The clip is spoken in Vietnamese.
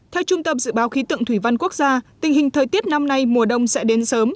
theo trung tâm dự báo khí tượng thủy văn quốc gia tình hình thời tiết năm nay mùa đông sẽ đến sớm